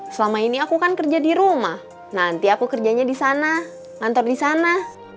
selama ini aku kan kerja di rumah nanti aku kerjanya di sana kantor di sana